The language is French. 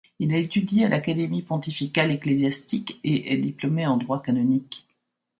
Il a étudié à l’Académie pontificale ecclésiastique et est diplômé en droit canonique.